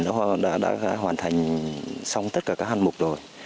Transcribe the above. nó đã hoàn thành xong tất cả các hạng mục rồi